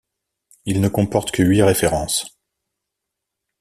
Il ne comporte que huit références.